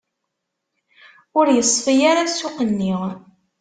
Ur yeṣfi ara ssuq-nni.